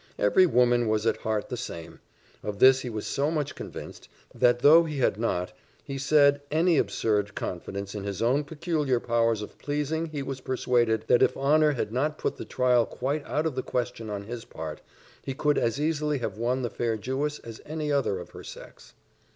Every woman was at heart the same. Of this he was so much convinced, that though he had not, he said, any absurd confidence in his own peculiar powers of pleasing, he was persuaded, that if honour had not put the trial quite out of the question on his part, he could as easily have won the fair Jewess as any other of her sex.